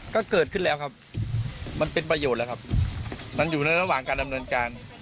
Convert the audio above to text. ก็เกิดขึ้นแล้วครับมันเป็นประโยชน์แล้วครับมันอยู่ในระหว่างการดำเนินการ